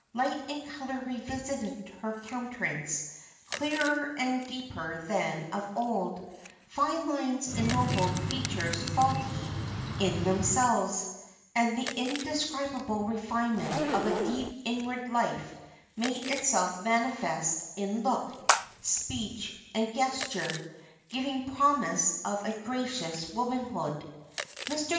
Light and color revisited her countenance clearer and deeper than of old; fine lines ennobled features faulty in themselves; and the indescribable refinement of a deep inward life made itself manifest in look, speech, and gesture, giving promise of a gracious womanhood. Mr.